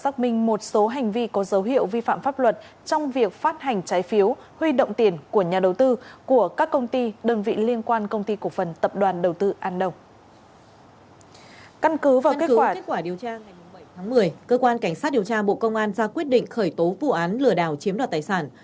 căn cứ kết quả điều tra ngày bảy tháng một mươi cơ quan cảnh sát điều tra bộ công an ra quyết định khởi tố vụ án lừa đảo chiếm đoạt tài sản